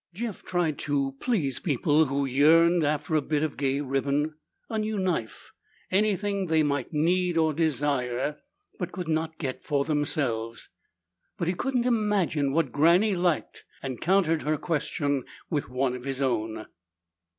Jeff tried to please people who yearned after a bit of gay ribbon, a new knife, anything they might need or desire but could not get for themselves. But he couldn't imagine what Granny lacked and countered her question with one of his own.